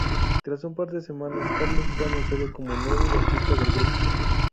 Tras un par de semanas, Carlos fue anunciado como nuevo bajista del grupo.